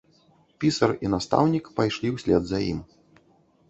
Пісар і настаўнік пайшлі ўслед за ім.